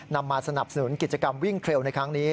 นำมาสนับสนุนกิจกรรมวิ่งเครลในครั้งนี้